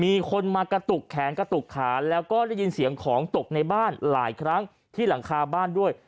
มีคนมากระตุกแขนกระตุกขาแล้วก็ได้ยินเสียงของตกในบ้านหลายครั้งที่หลังคาบ้านด้วย